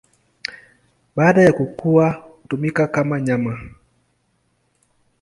Baada ya kukua hutumika kama nyama.